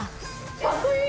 かっこいい！